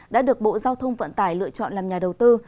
đã được bộ giao thông vận tải lựa chọn làm nhà đầu tư